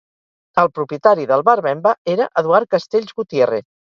El propietari del Bar Bemba era Eduard Castells Gutiérrez.